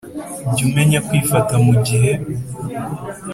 Jya umenya kwifata mu gihe